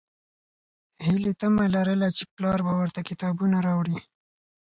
هیلې تمه لرله چې پلار به ورته کتابونه راوړي.